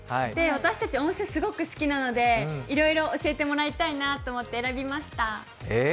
私たち、温泉がすごく好きなのでいろいろ教えてもらいたいなと思って選びました。